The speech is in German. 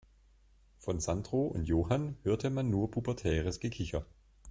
Von Sandro und Johann hörte man nur pubertäres Gekicher.